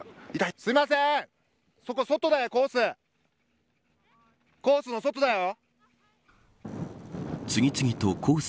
すいません、そこ外だよコース。